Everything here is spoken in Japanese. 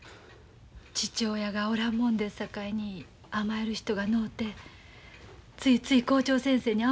父親がおらんもんですさかいに甘える人がのうてついつい校長先生に甘えるんやと思います。